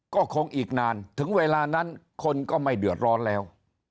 ก็คงอีกนานถึงเวลานั้นคนก็ไม่เดือดร้อนแล้ว